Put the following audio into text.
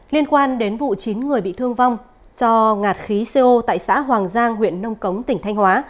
liên quan đến vụ chín người bị thương vong do ngạt khí co tại xã hoàng giang huyện nông cống tỉnh thanh hóa